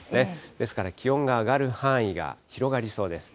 ですから、気温が上がる範囲が広がりそうです。